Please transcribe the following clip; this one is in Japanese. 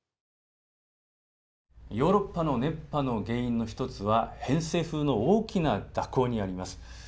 ヨーロッパの熱波の原因の一つは、偏西風の大きな蛇行にあります。